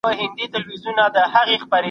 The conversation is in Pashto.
زه به ليک لوستی وي!